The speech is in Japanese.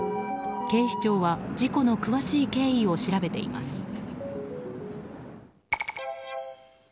警視庁は事故の詳しい経緯を調べています。